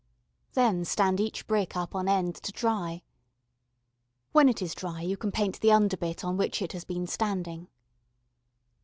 Then stand each brick up on end to dry. When it is dry you can paint the under bit on which it has been standing.